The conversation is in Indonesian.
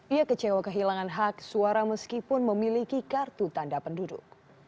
ia kecewa kehilangan hak suara meskipun memiliki kartu tanda penduduk